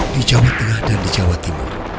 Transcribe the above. di jawa tengah dan di jawa timur